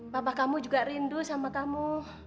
bapak kamu juga rindu sama kamu